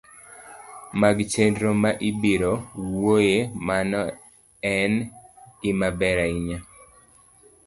mag chenro ma ibiro wuoye, mano en gimaber ahinya